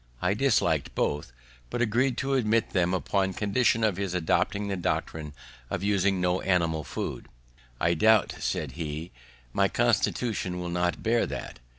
I dislik'd both; but agreed to admit them upon condition of his adopting the doctrine of using no animal food. "I doubt," said he, "my constitution will not bear that."